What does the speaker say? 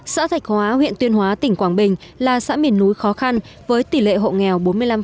xã thạch hóa huyện tuyên hóa tỉnh quảng bình là xã miền núi khó khăn với tỷ lệ hộ nghèo bốn mươi năm